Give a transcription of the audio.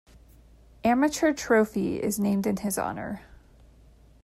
Amateur trophy is named in his honor.